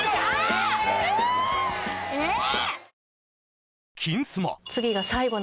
えっ！？